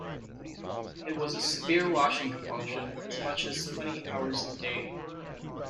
It was a severe washing compulsion, as much as twenty hours a day.